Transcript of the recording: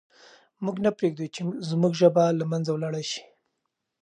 موږ نه پرېږدو چې زموږ ژبه له منځه ولاړه سي.